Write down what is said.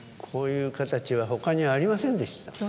こういう形はほかにありませんでした。